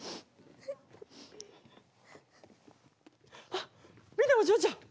あっ見てお嬢ちゃん！